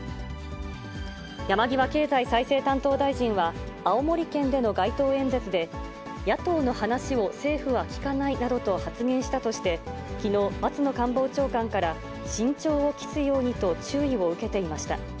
山際経済再生担当大臣は青森県での街頭演説で、野党の話を政府は聞かないなどと発言したとして、きのう、松野官房長官から、慎重を期すようにと注意を受けていました。